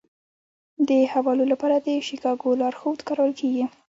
د حوالو لپاره د شیکاګو لارښود کارول کیږي.